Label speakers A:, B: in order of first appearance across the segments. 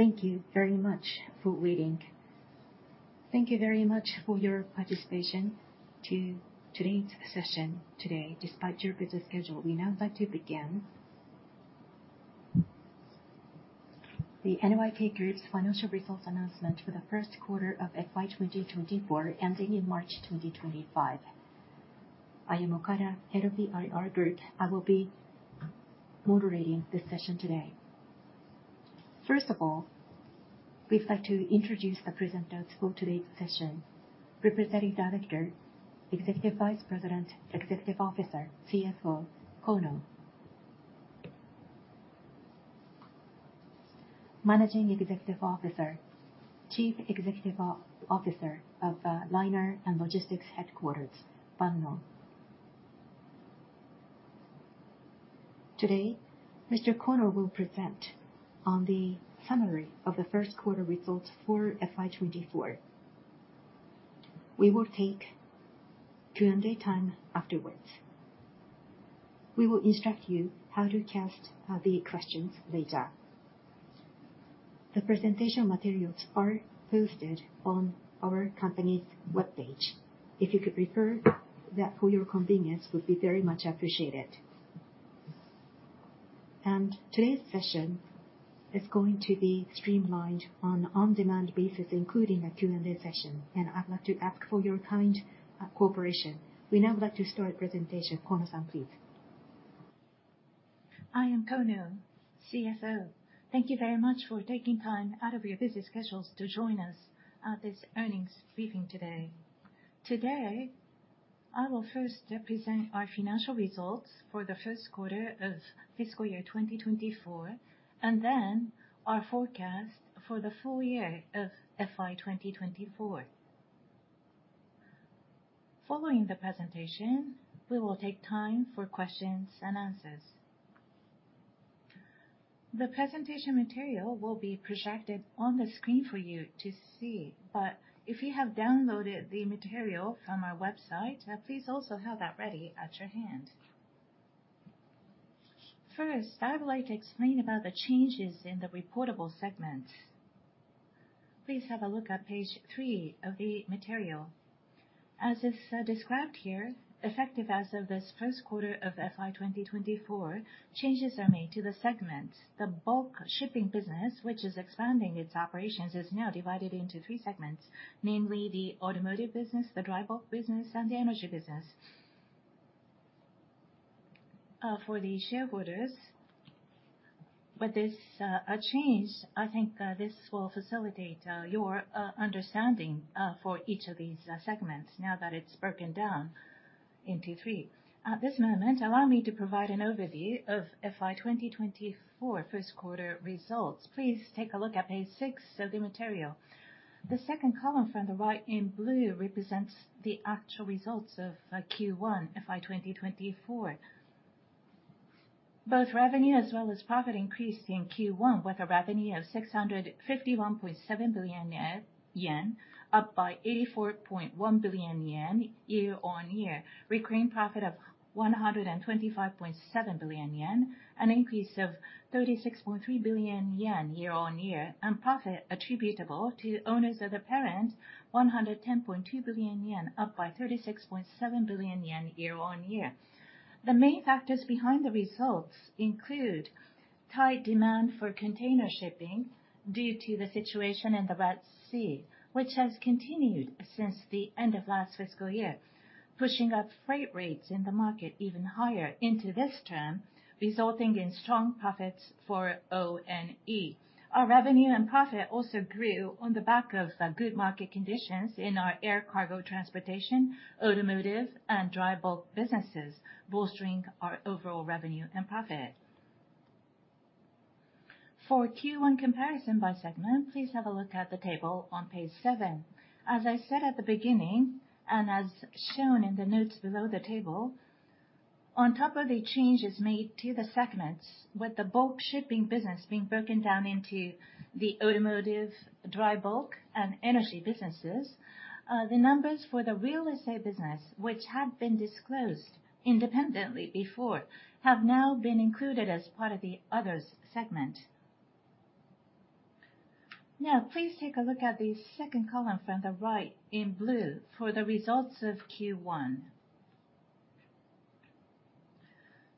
A: Thank you very much for waiting. Thank you very much for your participation to today's session today, despite your busy schedule. We now like to begin the NYK Group's financial results announcement for the first quarter of FY 2024, ending in March 2025. I am Okada, head of the IR Group. I will be moderating this session today. First of all, we'd like to introduce the presenters for today's session: Representative Director, Executive Vice President, Executive Officer, CFO Kono, Managing Executive Officer, Chief Executive Officer of Liner and Logistics Headquarters, Banno. Today, Mr. Kono will present on the summary of the first quarter results for FY 2024. We will take Q&A time afterwards. We will instruct you how to cast the questions later. The presentation materials are posted on our company's web page. If you could refer that for your convenience, it would be very much appreciated. Today's session is going to be streamlined on an on-demand basis, including a Q&A session. I'd like to ask for your kind cooperation. We now would like to start the presentation. Kono-san, please.
B: I am Kono, CFO. Thank you very much for taking time out of your busy schedules to join us at this earnings briefing today. Today, I will first present our financial results for the first quarter of fiscal year 2024, and then our forecast for the full year of FY 2024. Following the presentation, we will take time for questions and answers. The presentation material will be projected on the screen for you to see, but if you have downloaded the material from our website, please also have that ready at your hand. First, I would like to explain about the changes in the reportable segments. Please have a look at page three of the material. As is described here, effective as of this first quarter of FY 2024, changes are made to the segments. The bulk shipping business, which is expanding its operations, is now divided into three segments, namely the automotive business, the dry bulk business, and the energy business. For the shareholders, with this change, I think this will facilitate your understanding for each of these segments now that it's broken down into three. At this moment, allow me to provide an overview of FY 2024 first quarter results. Please take a look at page six of the material. The second column from the right in blue represents the actual results of Q1 FY 2024. Both revenue as well as profit increased in Q1 with a revenue of 651.7 billion yen, up by 84.1 billion yen year-on-year, recurring profit of 125.7 billion yen, an increase of 36.3 billion yen year-on-year, and profit attributable to owners of the parent, 110.2 billion yen, up by 36.7 billion yen year-on-year. The main factors behind the results include tight demand for container shipping due to the situation in the Red Sea, which has continued since the end of last fiscal year, pushing up freight rates in the market even higher into this term, resulting in strong profits for ONE. Our revenue and profit also grew on the back of good market conditions in our air cargo transportation, automotive, and dry bulk businesses, bolstering our overall revenue and profit. For Q1 comparison by segment, please have a look at the table on page seven. As I said at the beginning, and as shown in the notes below the table, on top of the changes made to the segments, with the bulk shipping business being broken down into the automotive, dry bulk, and energy businesses, the numbers for the real estate business, which had been disclosed independently before, have now been included as part of the Others segment. Now, please take a look at the second column from the right in blue for the results of Q1.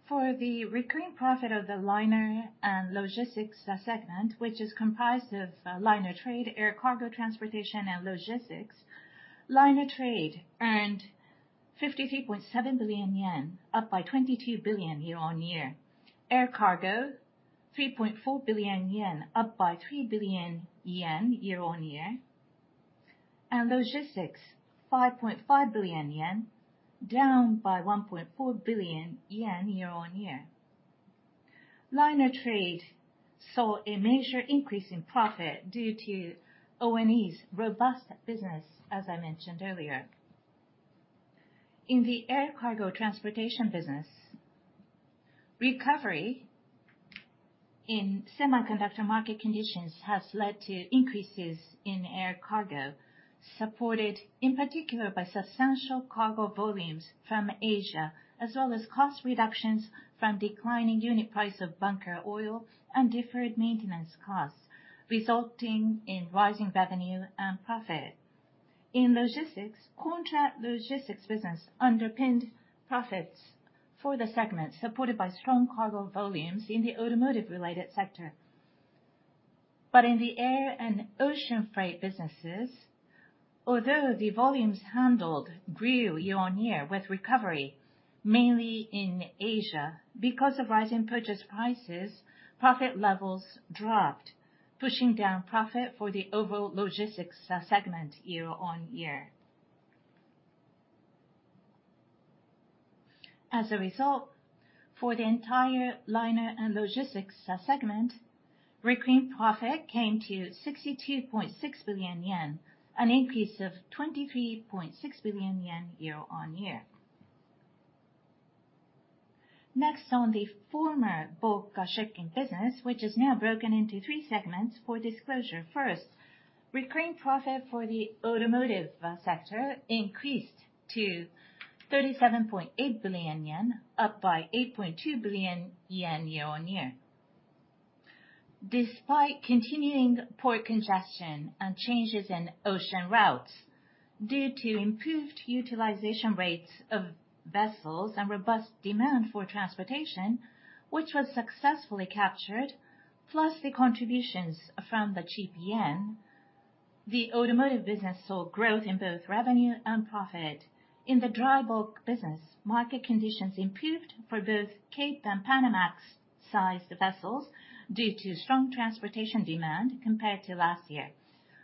B: For the recurring profit of the liner and logistics segment, which is comprised of liner trade, air cargo transportation, and logistics, liner trade earned 53.7 billion yen, up by 22 billion year-on-year. Air cargo, 3.4 billion yen, up by 3 billion yen year-on-year. And logistics, 5.5 billion yen, down by 1.4 billion yen year-on-year. Liner trade saw a major increase in profit due to ONE's robust business, as I mentioned earlier. In the air cargo transportation business, recovery in semiconductor market conditions has led to increases in air cargo, supported in particular by substantial cargo volumes from Asia, as well as cost reductions from declining unit price of bunker oil and deferred maintenance costs, resulting in rising revenue and profit. In logistics, contract logistics business underpinned profits for the segment, supported by strong cargo volumes in the automotive-related sector. In the air and ocean freight businesses, although the volumes handled grew year-on-year with recovery, mainly in Asia, because of rising purchase prices, profit levels dropped, pushing down profit for the overall logistics segment year-on-year. As a result, for the entire liner and logistics segment, recurring profit came to 62.6 billion yen, an increase of 23.6 billion yen year-over-year. Next, on the former bulk shipping business, which is now broken into three segments for disclosure, first, recurring profit for the automotive sector increased to 37.8 billion yen, up by 8.2 billion yen year-over-year. Despite continuing port congestion and changes in ocean routes due to improved utilization rates of vessels and robust demand for transportation, which was successfully captured, plus the contributions from the cheap yen, the automotive business saw growth in both revenue and profit. In the dry bulk business, market conditions improved for both Capesize and Panamax-sized vessels due to strong transportation demand compared to last year,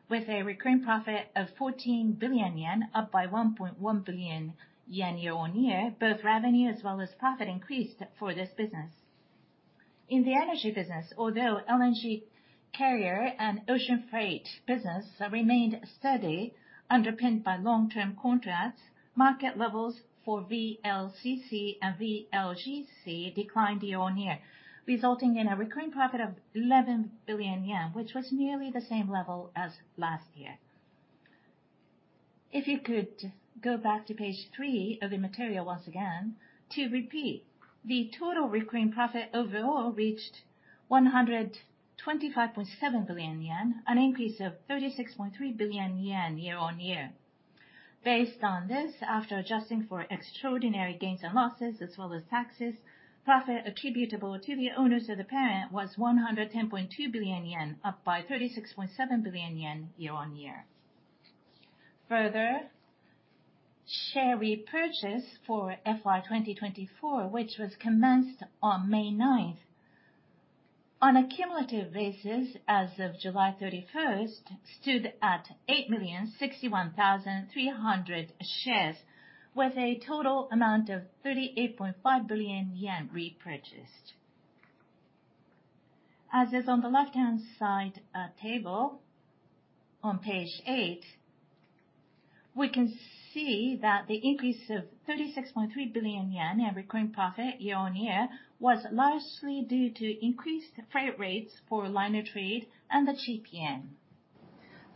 B: with a recurring profit of 14 billion yen, up by 1.1 billion yen year-over-year. Both revenue as well as profit increased for this business. In the energy business, although LNG carrier and ocean freight business remained steady, underpinned by long-term contracts, market levels for VLCC and VLGC declined year-over-year, resulting in a recurring profit of 11 billion yen, which was nearly the same level as last year. If you could go back to page three of the material once again to repeat, the total recurring profit overall reached 125.7 billion yen, an increase of 36.3 billion yen year-over-year. Based on this, after adjusting for extraordinary gains and losses as well as taxes, profit attributable to the owners of the parent was 110.2 billion yen, up by 36.7 billion yen year-over-year. Further, share repurchase for FY 2024, which was commenced on May 9th, on a cumulative basis as of July 31st, stood at 8,061,300 shares, with a total amount of 38.5 billion yen repurchased. As is on the left-hand side table on page eight, we can see that the increase of 36.3 billion yen in recurring profit year-on-year was largely due to increased freight rates for liner trade and the cheap yen.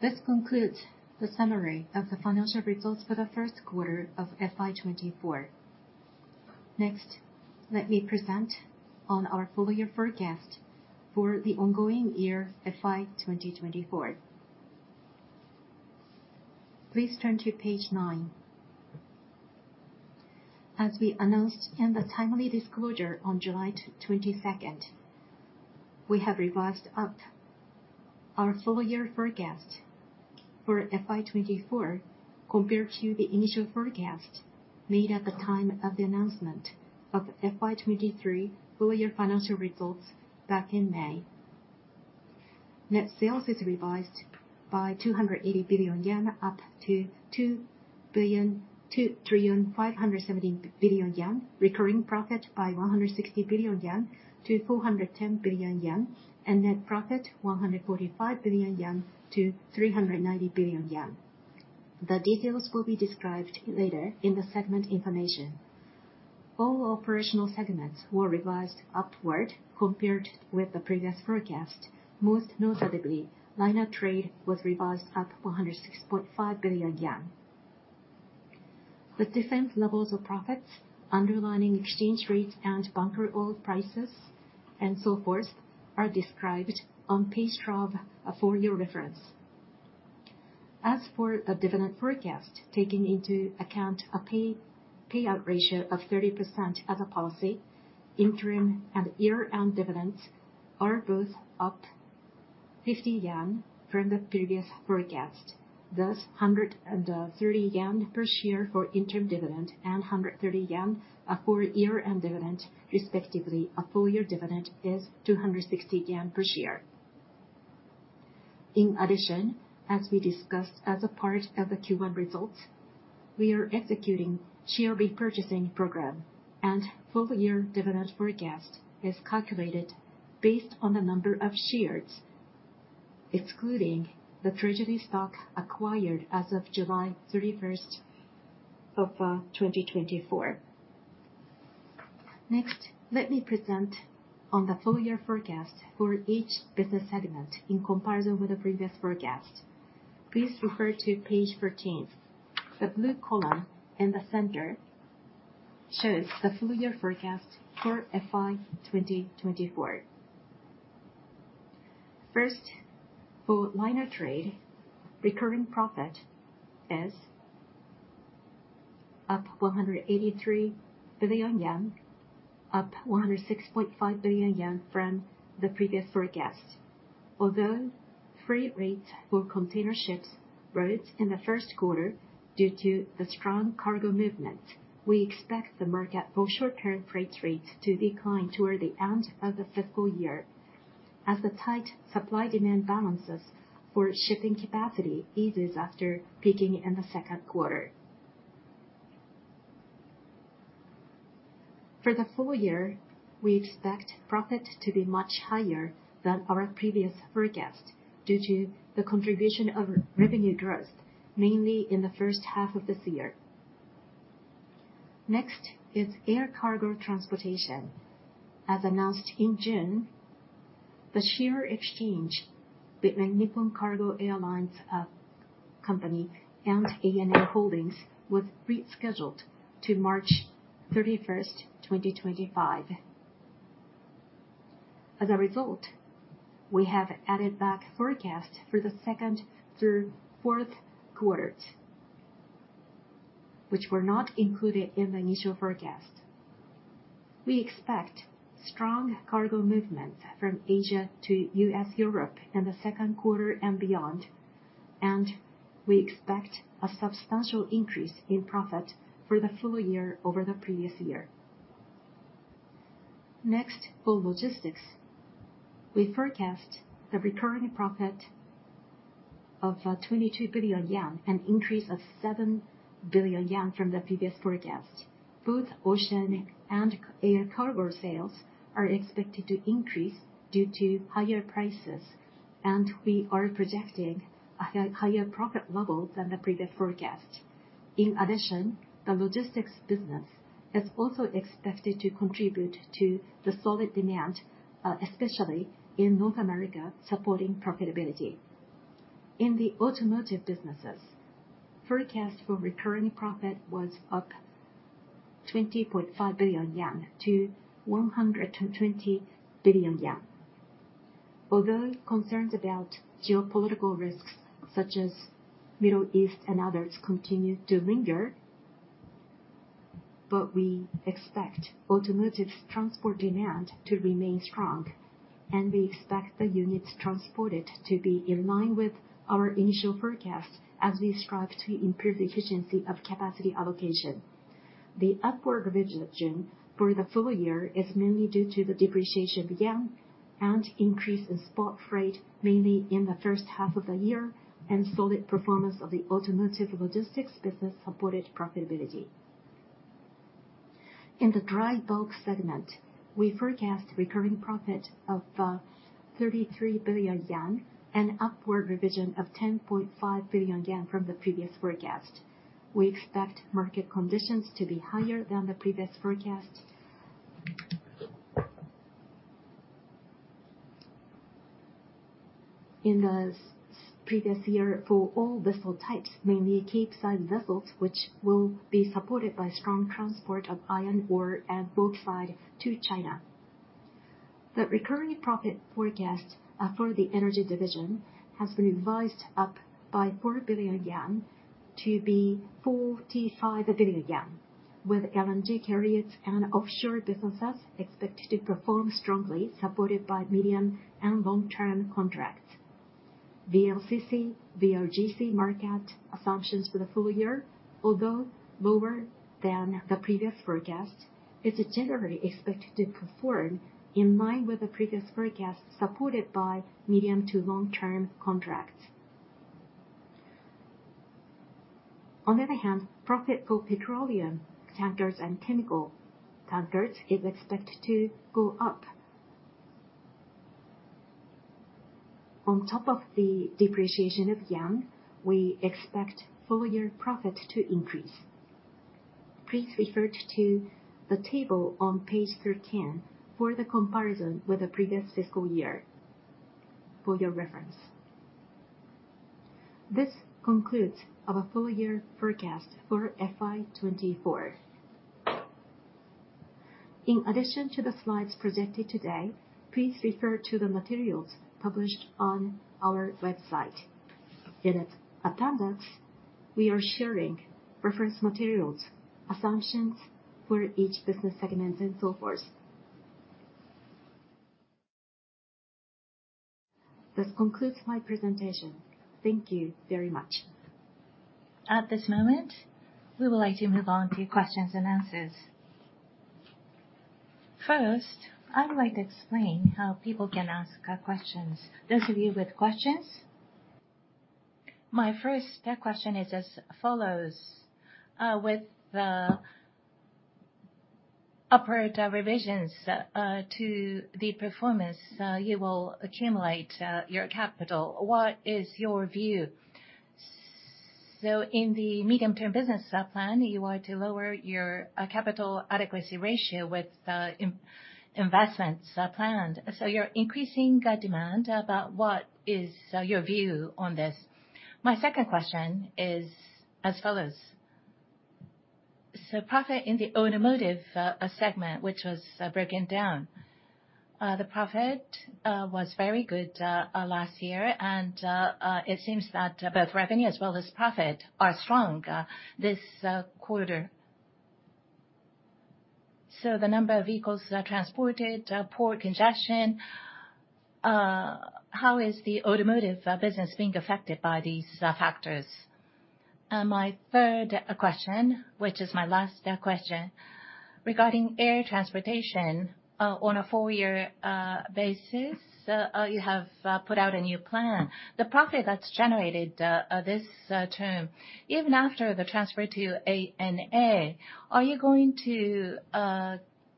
B: This concludes the summary of the financial results for the first quarter of FY 2024. Next, let me present on our full year forecast for the ongoing year FY 2024. Please turn to page nine. As we announced in the timely disclosure on July 22nd, we have revised up our full year forecast for FY 2024 compared to the initial forecast made at the time of the announcement of FY 2023 full year financial results back in May. Net sales is revised by 280 billion yen, up to 2,570,000,000,000 yen, recurring profit by 160 billion yen to 410 billion yen, and net profit 145 billion yen to 390 billion yen. The details will be described later in the segment information. All operational segments were revised upward compared with the previous forecast. Most notably, liner trade was revised up 106.5 billion yen. The different levels of profits, underlying exchange rates and bunker oil prices, and so forth, are described on page 12 of full year reference. As for the dividend forecast, taking into account a payout ratio of 30% as a policy, interim and year-end dividends are both up 50 yen from the previous forecast. Thus, 130 yen per share for interim dividend and 130 yen for year-end dividend, respectively. A full year dividend is 260 yen per share. In addition, as we discussed as a part of the Q1 results, we are executing share repurchasing program, and full year dividend forecast is calculated based on the number of shares, excluding the treasury stock acquired as of July 31st of 2024. Next, let me present on the full year forecast for each business segment in comparison with the previous forecast. Please refer to page 14. The blue column in the center shows the full year forecast for FY 2024. First, for liner trade, recurring profit is up 183 billion yen, up 106.5 billion yen from the previous forecast. Although freight rates for container ships rose in the first quarter due to the strong cargo movement, we expect the market for short-term freight rates to decline toward the end of the fiscal year as the tight supply-demand balances for shipping capacity eases after peaking in the second quarter. For the full year, we expect profit to be much higher than our previous forecast due to the contribution of revenue growth, mainly in the first half of this year. Next is air cargo transportation. As announced in June, the share exchange between Nippon Cargo Airlines and ANA Holdings was rescheduled to March 31st, 2025. As a result, we have added back forecasts for the second through fourth quarters, which were not included in the initial forecast. We expect strong cargo movements from Asia to U.S. Europe in the second quarter and beyond, and we expect a substantial increase in profit for the full year over the previous year. Next, for logistics, we forecast the recurring profit of 22 billion yen, an increase of 7 billion yen from the previous forecast. Both ocean and air cargo sales are expected to increase due to higher prices, and we are projecting a higher profit level than the previous forecast. In addition, the logistics business is also expected to contribute to the solid demand, especially in North America, supporting profitability. In the automotive businesses, forecast for recurring profit was up 20.5 billion yen to 120 billion yen. Although concerns about geopolitical risks such as Middle East and others continue to linger, we expect automotive transport demand to remain strong, and we expect the units transported to be in line with our initial forecast as we strive to improve the efficiency of capacity allocation. The upward revision for the full year is mainly due to the depreciation of yen and increase in spot freight, mainly in the first half of the year, and solid performance of the automotive logistics business supported profitability. In the dry bulk segment, we forecast recurring profit of 33 billion yen and upward revision of 10.5 billion yen from the previous forecast. We expect market conditions to be higher than the previous forecast. In the previous year, for all vessel types, mainly Capesize vessels, which will be supported by strong transport of iron ore and bauxite to China. The recurring profit forecast for the energy division has been revised up by 4 billion yen to be 45 billion yen, with LNG carriers and offshore businesses expected to perform strongly, supported by medium and long-term contracts. VLCC, VLGC market assumptions for the full year, although lower than the previous forecast, is generally expected to perform in line with the previous forecast, supported by medium to long-term contracts. On the other hand, profit for petroleum tankers and chemical tankers is expected to go up. On top of the depreciation of yen, we expect full-year profit to increase. Please refer to the table on page 13 for the comparison with the previous fiscal year for your reference. This concludes our full-year forecast for FY 2024. In addition to the slides presented today, please refer to the materials published on our website. In attendance, we are sharing reference materials, assumptions for each business segment, and so forth. This concludes my presentation. Thank you very much.
A: At this moment, we would like to move on to questions and answers. First, I would like to explain how people can ask questions. Those of you with questions?
C: My first question is as follows. With the upward revisions to the performance, you will accumulate your capital. What is your view? So, in the medium-term business plan, you are to lower your capital adequacy ratio with the investments planned. So, you're increasing demand. About what is your view on this? My second question is as follows. So, profit in the automotive segment, which was broken down, the profit was very good last year, and it seems that both revenue as well as profit are strong this quarter. So, the number of vehicles transported, port congestion, how is the automotive business being affected by these factors? My third question, which is my last question, regarding air transportation on a full year basis, you have put out a new plan. The profit that's generated this term, even after the transfer to ANA, are you going to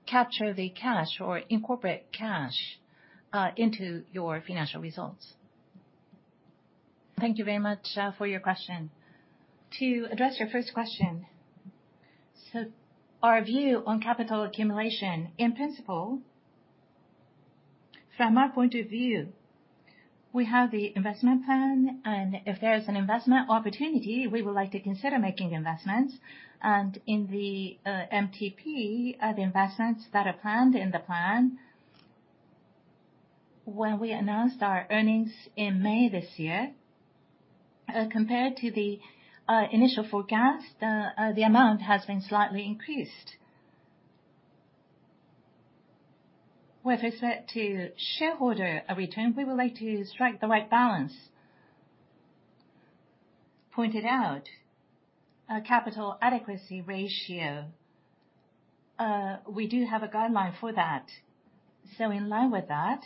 C: capture the cash or incorporate cash into your financial results?
B: Thank you very much for your question. To address your first question, so, our view on capital accumulation, in principle, from our point of view, we have the investment plan, and if there is an investment opportunity, we would like to consider making investments. In the MTP, the investments that are planned in the plan, when we announced our earnings in May this year, compared to the initial forecast, the amount has been slightly increased. With respect to shareholder return, we would like to strike the right balance. Pointed out, capital adequacy ratio, we do have a guideline for that. In line with that,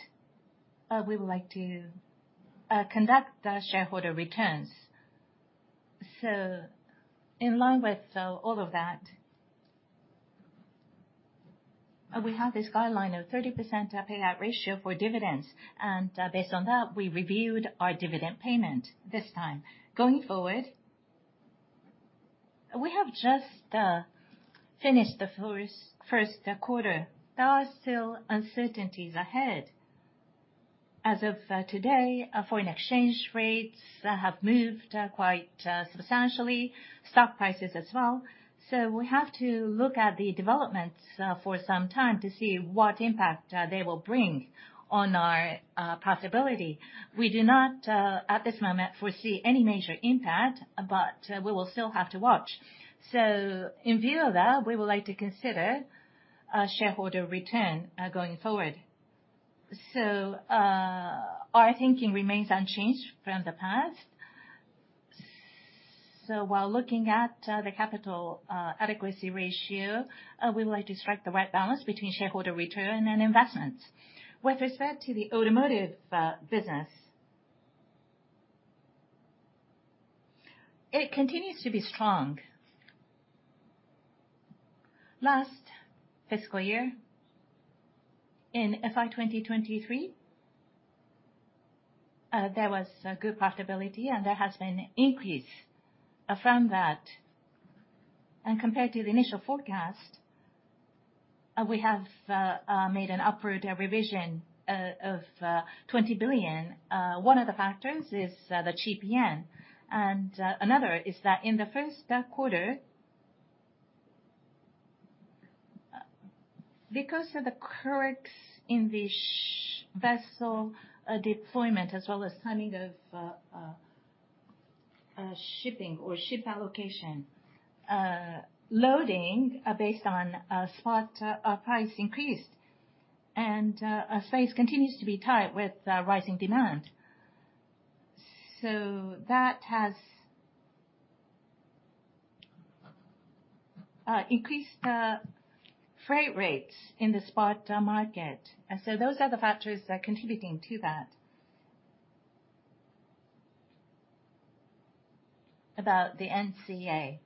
B: we would like to conduct shareholder returns. In line with all of that, we have this guideline of 30% payout ratio for dividends, and based on that, we reviewed our dividend payment this time. Going forward, we have just finished the first quarter. There are still uncertainties ahead. As of today, foreign exchange rates have moved quite substantially, stock prices as well. So, we have to look at the developments for some time to see what impact they will bring on our profitability. We do not, at this moment, foresee any major impact, but we will still have to watch. So, in view of that, we would like to consider shareholder return going forward. So, our thinking remains unchanged from the past. So, while looking at the capital adequacy ratio, we would like to strike the right balance between shareholder return and investments. With respect to the automotive business, it continues to be strong. Last fiscal year, in FY 2023, there was good profitability, and there has been an increase from that. Compared to the initial forecast, we have made an upward revision of 20 billion. One of the factors is the cheap yen, and another is that in the first quarter, because of the curbs in the vessel deployment as well as timing of shipping or ship allocation, loading based on spot price increased, and space continues to be tight with rising demand. So, that has increased freight rates in the spot market. So, those are the factors contributing to that. About the NCA,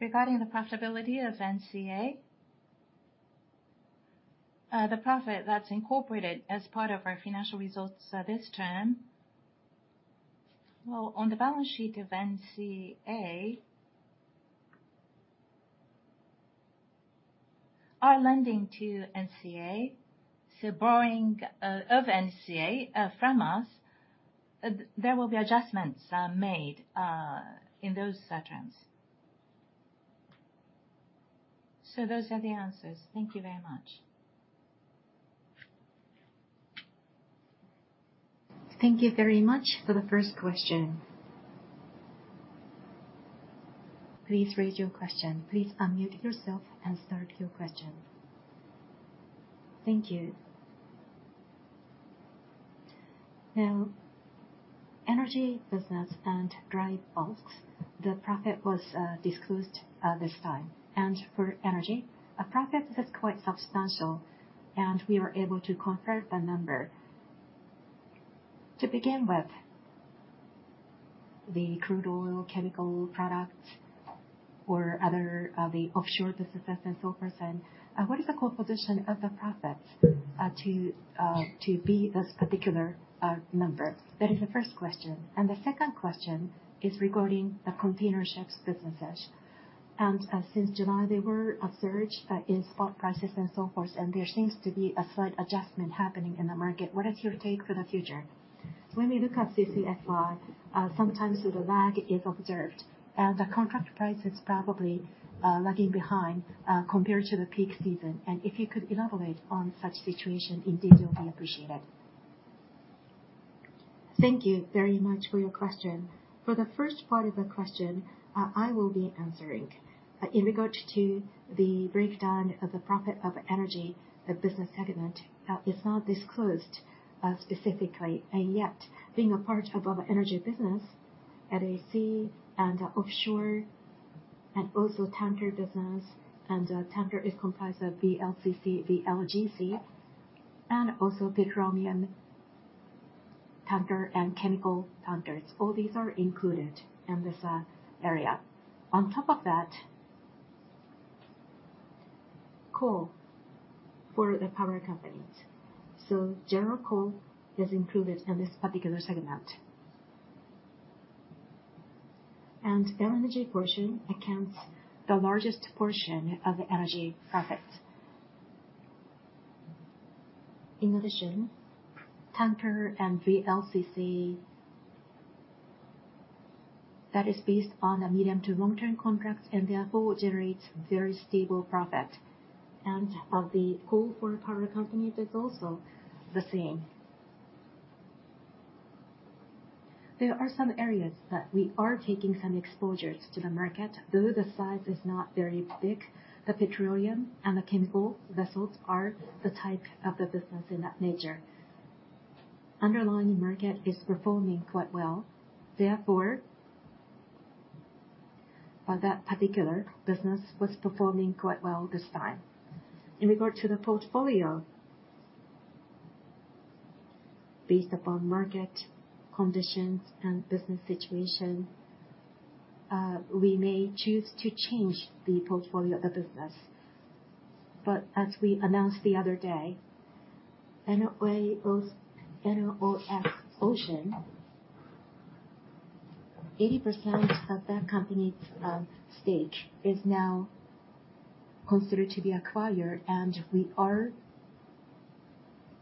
B: regarding the profitability of NCA, the profit that's incorporated as part of our financial results this term, well, on the balance sheet of NCA, our lending to NCA, so borrowing of NCA from us, there will be adjustments made in those terms.
C: So, those are the answers. Thank you very much.
A: Thank you very much for the first question. Please raise your question. Please unmute yourself and start your question.
D: Thank you. Now, energy business and dry bulk, the profit was disclosed this time. For energy, a profit that's quite substantial, and we were able to confirm the number. To begin with, the crude oil chemical products or other offshore businesses and so forth, and what is the composition of the profits to be this particular number? That is the first question. The second question is regarding the container ships businesses. Since July, there were a surge in spot prices and so forth, and there seems to be a slight adjustment happening in the market. What is your take for the future? When we look at CCFI, sometimes the lag is observed, and the contract price is probably lagging behind compared to the peak season. If you could elaborate on such situation, indeed, it will be appreciated.
B: Thank you very much for your question. For the first part of the question, I will be answering. In regard to the breakdown of the profit of energy, the business segment is not disclosed specifically, and yet, being a part of our energy business, NCA and offshore, and also tanker business, and tanker is comprised of VLCC, VLGC, and also petroleum tanker and chemical tankers. All these are included in this area. On top of that, coal for the power companies. So, general coal is included in this particular segment. And their energy portion accounts for the largest portion of energy profits. In addition, tanker and VLCC, that is based on a medium to long-term contract, and therefore generates very stable profit. And of the coal for power companies, it's also the same. There are some areas that we are taking some exposures to the market, though the size is not very big. The petroleum and the chemical vessels are the type of the business in that nature. Underlying market is performing quite well. Therefore, that particular business was performing quite well this time. In regard to the portfolio, based upon market conditions and business situation, we may choose to change the portfolio of the business. But as we announced the other day, ENEOS Ocean, 80% of that company's stake is now considered to be acquired, and we are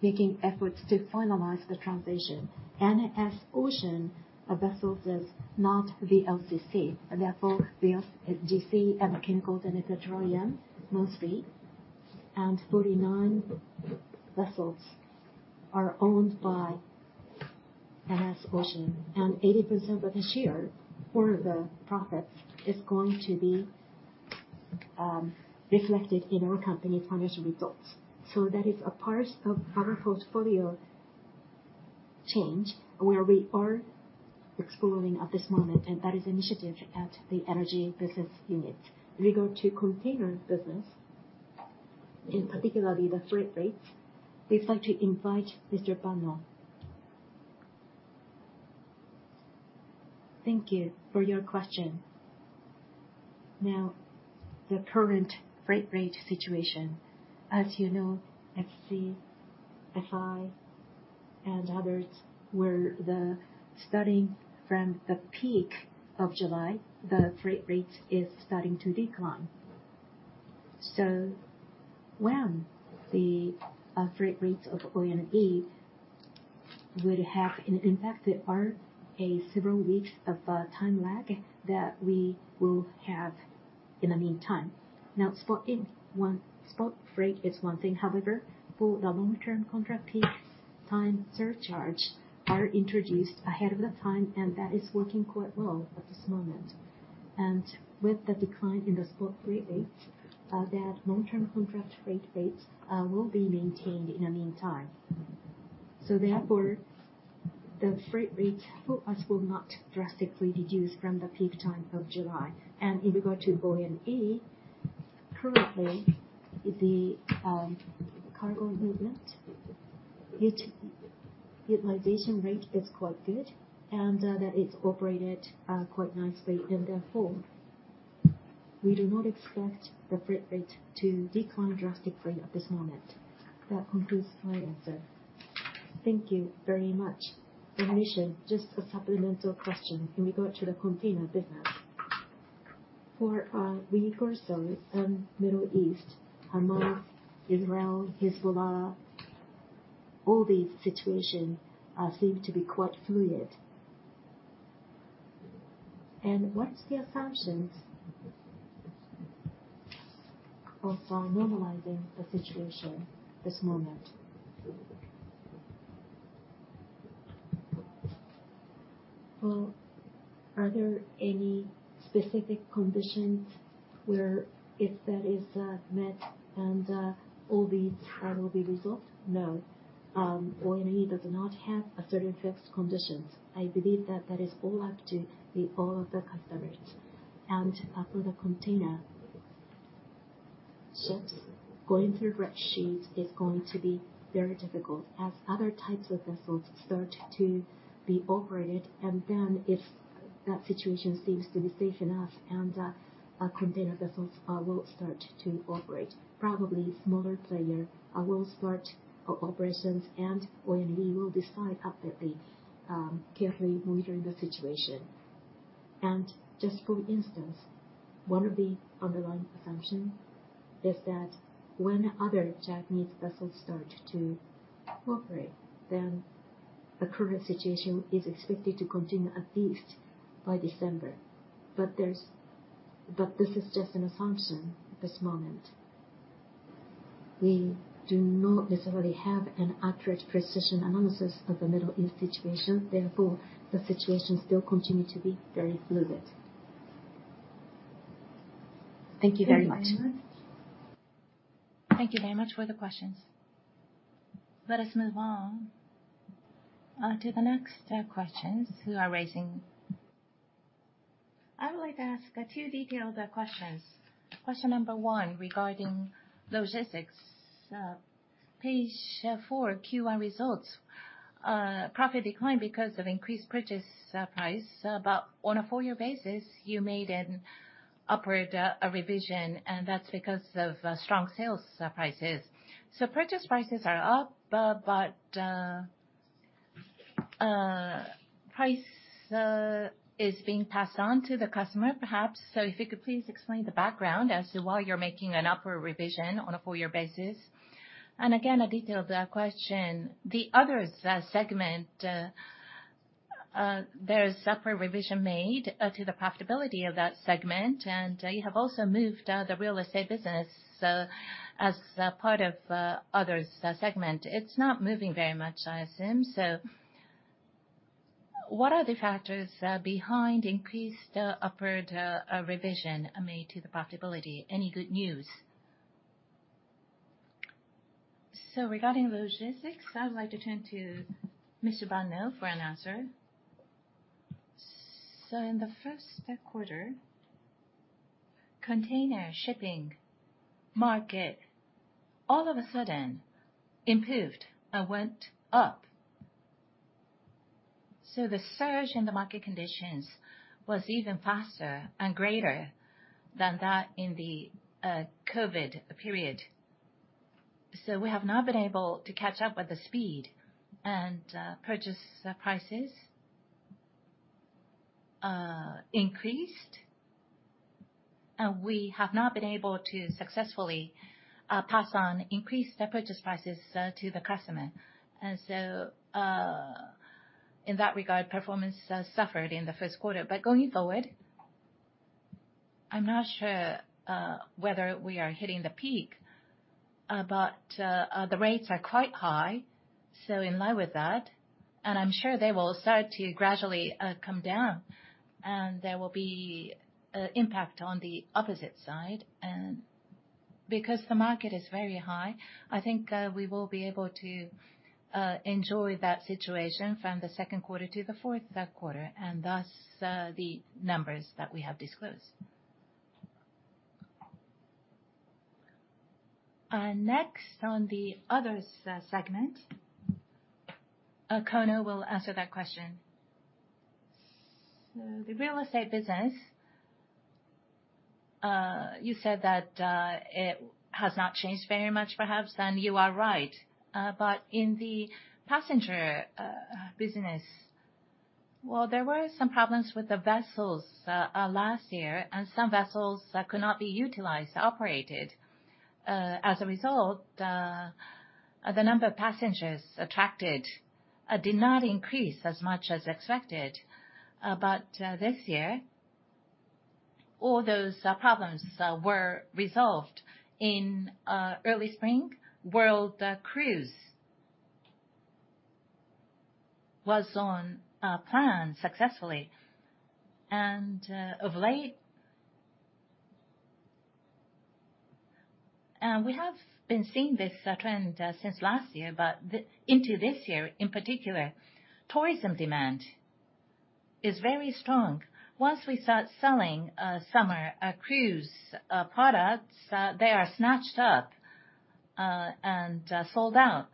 B: making efforts to finalize the transition. ENEOS Ocean vessels is not VLCC. Therefore, VLGC and the chemicals and the petroleum mostly, and 49 vessels are owned by ENEOS Ocean. And 80% of the share for the profits is going to be reflected in our company's financial results. So, that is a part of our portfolio change where we are exploring at this moment, and that is initiative at the energy business unit. In regard to container business, in particular the freight rates, we'd like to invite Mr. Banno.
E: Thank you for your question. Now, the current freight rate situation, as you know, SCFI and others were steady from the peak of July, the freight rate is starting to decline. So, when the freight rates of ONE would have an impact, there are several weeks of time lag that we will have in the meantime. Now, spot freight is one thing. However, for the long-term contract, peak time surcharge are introduced ahead of time, and that is working quite well at this moment. And with the decline in the spot freight rate, that long-term contract freight rate will be maintained in the meantime. So, therefore, the freight rates for us will not drastically decrease from the peak time of July. And in regard to ONE, currently, the cargo movement utilization rate is quite good, and that is operated quite nicely. And therefore, we do not expect the freight rate to decline drastically at this moment. That concludes my answer.
D: Thank you very much. Permission, just a supplemental question in regard to the container business. For a week or so, Middle East, Hamas, Israel, Hezbollah, all these situations seem to be quite fluid. And what's the assumptions of normalizing the situation this moment? Well, are there any specific conditions where if that is met and all these will be resolved?
B: No. ONE does not have a certain fixed conditions. I believe that that is all up to all of the customers. And for the container ships going through Red Sea, it's going to be very difficult as other types of vessels start to be operated. And then if that situation seems to be safe enough, container vessels will start to operate. Probably smaller players will start operations, and ONE will decide up that they carefully monitor the situation. And just for instance, one of the underlying assumptions is that when other Japanese vessels start to operate, then the current situation is expected to continue at least by December. But this is just an assumption at this moment. We do not necessarily have an accurate precision analysis of the Middle East situation. Therefore, the situation still continues to be very fluid.
D: Thank you very much.
A: Thank you very much for the questions. Let us move on to the next questions who are raising.
F: I would like to ask two detailed questions. Question number one regarding logistics. Page four, Q1 results, profit decline because of increased purchase price. But on a four-year basis, you made an upward revision, and that's because of strong sales prices. So purchase prices are up, but price is being passed on to the customer, perhaps. So if you could please explain the background as to why you're making an upward revision on a four-year basis? And again, a detailed question. The Others segment, there's upward revision made to the profitability of that segment, and you have also moved the real estate business as part of Others segment. It's not moving very much, I assume. So what are the factors behind increased upward revision made to the profitability? Any good news?
B: So regarding logistics, I would like to turn to Mr. Banno for an answer.
E: So in the first quarter, container shipping market all of a sudden improved and went up. So the surge in the market conditions was even faster and greater than that in the COVID period. So we have not been able to catch up with the speed, and purchase prices increased, and we have not been able to successfully pass on increased purchase prices to the customer. And so in that regard, performance suffered in the first quarter. But going forward, I'm not sure whether we are hitting the peak, but the rates are quite high. So in line with that, and I'm sure they will start to gradually come down, and there will be an impact on the opposite side. And because the market is very high, I think we will be able to enjoy that situation from the second quarter to the fourth quarter, and thus the numbers that we have disclosed. Next on the Others segment, Kono will answer that question.
B: So the real estate business, you said that it has not changed very much, perhaps, and you are right. But in the passenger business, well, there were some problems with the vessels last year, and some vessels could not be utilized, operated. As a result, the number of passengers attracted did not increase as much as expected. But this year, all those problems were resolved in early spring. World cruise was on plan successfully. And of late, we have been seeing this trend since last year, but into this year in particular, tourism demand is very strong. Once we start selling summer cruise products, they are snatched up and sold out.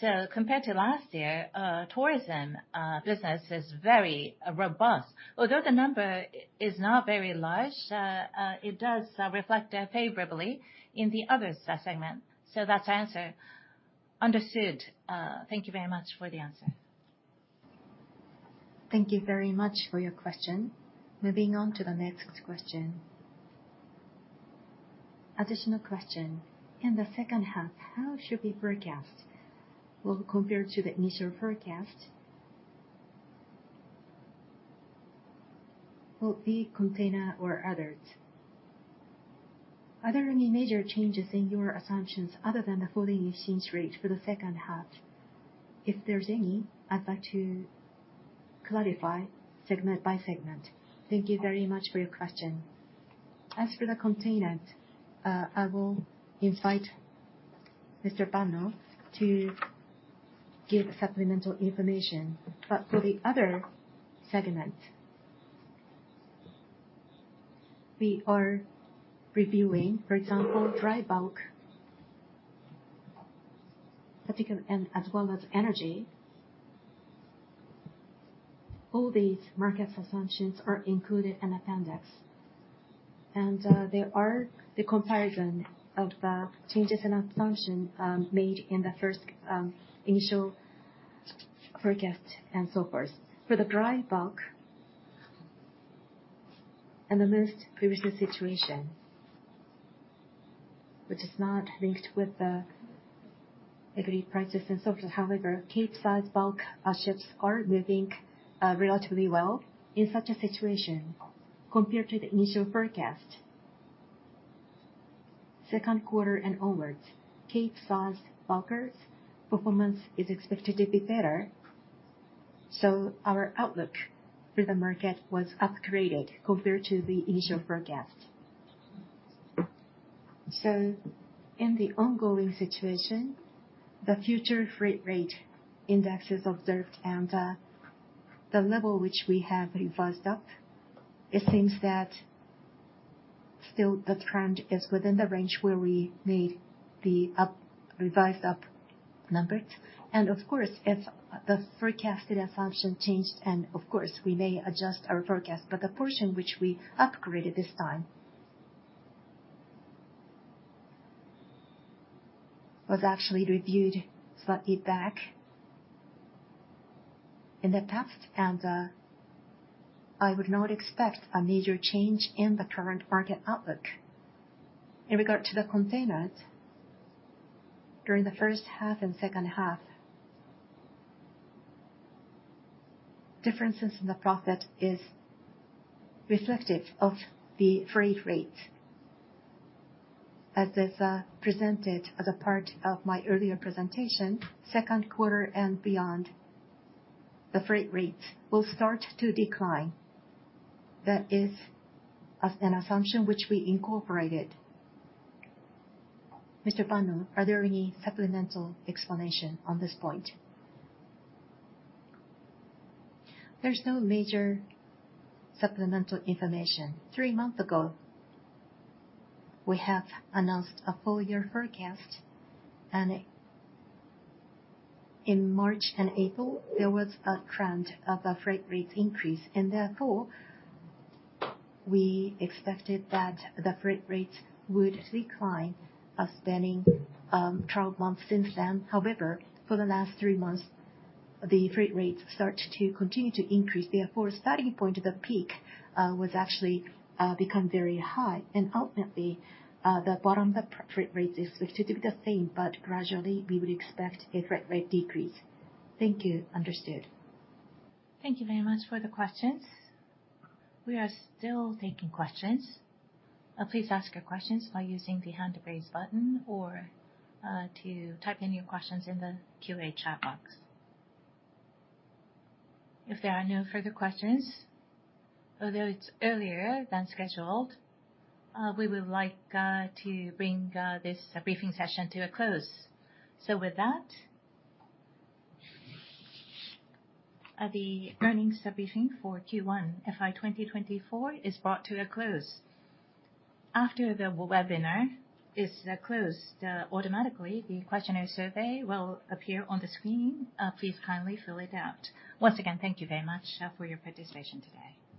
B: So compared to last year, tourism business is very robust. Although the number is not very large, it does reflect favorably in the Others segment. So that's the answer.
F: Understood. Thank you very much for the answer.
A: Thank you very much for your question. Moving on to the next question.
G: Additional question. In the second half, how should we forecast? Well, compared to the initial forecast, will be container or others? Are there any major changes in your assumptions other than the falling exchange rate for the second half? If there's any, I'd like to clarify segment by segment.
B: Thank you very much for your question. As for the container, I will invite Mr. Banno to give supplemental information. But for the other segment, we are reviewing, for example, dry bulk, particularly as well as energy. All these market assumptions are included in the appendix. There are the comparison of changes in assumption made in the first initial forecast and so forth. For the dry bulk and the most previous situation, which is not linked with the agreed prices and so forth, however, Capesize bulk ships are moving relatively well in such a situation compared to the initial forecast. Second quarter and onwards, Capesize bulkers' performance is expected to be better. So our outlook for the market was upgraded compared to the initial forecast. So in the ongoing situation, the future freight rate indexes observed and the level which we have revised up, it seems that still the trend is within the range where we made the revised up numbers. And of course, if the forecasted assumption changed, and of course, we may adjust our forecast, but the portion which we upgraded this time was actually reviewed slightly back in the past, and I would not expect a major change in the current market outlook. In regard to the containers, during the first half and second half, differences in the profit are reflective of the freight rate. As I presented as a part of my earlier presentation, second quarter and beyond, the freight rates will start to decline. That is an assumption which we incorporated. Mr. Banno, are there any supplemental explanation on this point?
E: There's no major supplemental information. Three months ago, we have announced a four-year forecast, and in March and April, there was a trend of a freight rate increase. Therefore, we expected that the freight rates would decline spanning 12 months since then. However, for the last three months, the freight rates started to continue to increase. Therefore, starting point of the peak was actually become very high. Ultimately, the bottom freight rate is expected to be the same, but gradually, we would expect a freight rate decrease.
G: Thank you. Understood.
A: Thank you very much for the questions. We are still taking questions. Please ask your questions by using the hand-raise button or to type in your questions in the QA chat box. If there are no further questions, although it's earlier than scheduled, we would like to bring this briefing session to a close. So with that, the earnings briefing for Q1 FY 2024 is brought to a close. After the webinar is closed automatically, the questionnaire survey will appear on the screen. Please kindly fill it out. Once again, thank you very much for your participation today.